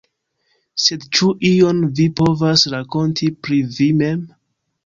Sed ĉu ion vi povas rakonti pri vi mem?